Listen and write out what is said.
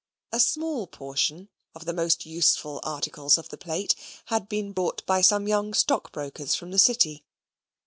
A small portion of the most useful articles of the plate had been bought by some young stockbrokers from the City.